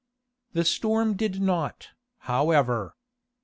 The storm did not, however.